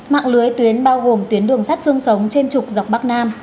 mạng lưới tuyến bao gồm tuyến đường sắt sương sống trên trục dọc bắc nam